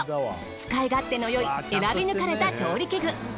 使い勝手のよい選び抜かれた調理器具。